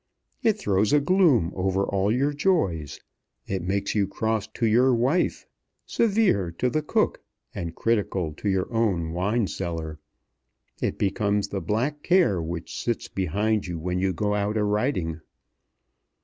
It throws a gloom over all your joys. It makes you cross to your wife, severe to the cook, and critical to your own wine cellar. It becomes the Black Care which sits behind you when you go out a riding.